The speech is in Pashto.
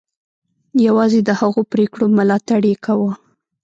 یوازې د هغو پرېکړو ملاتړ یې کاوه.